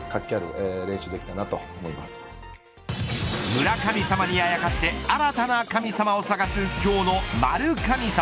村神様にあやかって新たな神様を探す今日の○神様。